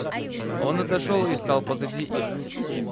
Он отошел и стал позади их.